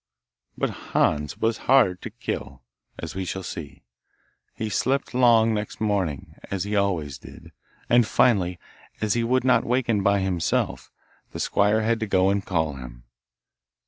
But Hans was hard to kill, as we shall see. He slept long next morning, as he always did, and finally, as he would not waken by himself, the squire had to go and call him.